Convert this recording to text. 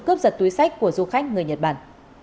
cướp giật túi sách của du khách người nhật bản